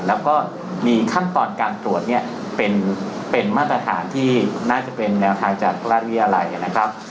แล้วก็มีขั้นตอนการตรวจเนี่ยเป็นมาตรฐานที่น่าจะเป็นแนวทางจากราชวิทยาลัยนะครับ